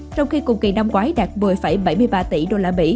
trong khi cùng kỳ năm ngoái đạt một mươi bảy mươi ba tỷ usd